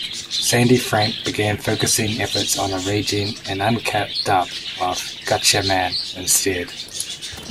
Sandy Frank began focusing efforts on arranging an uncut dub of Gatchaman instead.